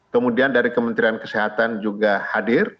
kemudian dari kementerian kesehatan juga hadir